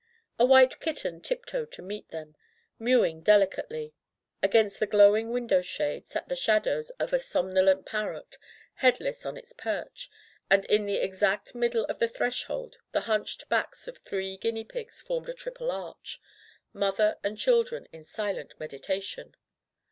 A white kitten tiptoed to meet them, mew ing delicately. Against the glowing window shade sat the shadow of a sonmolent parrot, headless on its perch, and in the exact middle of the threshold the hunched backs of three guinea pigs formed a triple arch — ^mother and children in silent meditation.